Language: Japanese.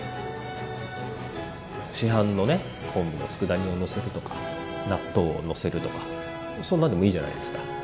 市販のね昆布のつくだ煮をのせるとか納豆をのせるとかそんなんでもいいじゃないですか。